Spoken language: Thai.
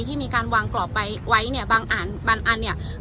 ที่มีวางกล่อไปไว้เนี่ยบางอันเนี่ย